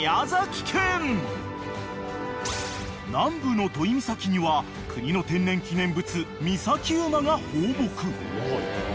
［南部の都井岬には国の天然記念物御崎馬が放牧］